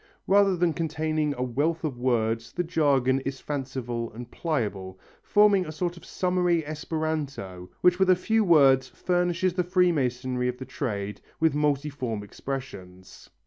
Rather than containing a wealth of words the jargon is fanciful and pliable, forming a sort of summary esperanto which with a few words furnish the freemasonry of the trade with multiform expressions.